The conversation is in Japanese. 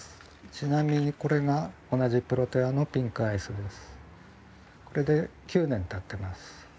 ちなみに、これが同じプロテアのピンクアイスです。